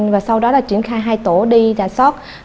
và sau đó là triển khai hai tổ đi giả soát